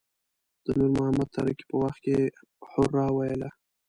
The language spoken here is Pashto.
د نور محمد تره کي په وخت کې يې هورا ویله.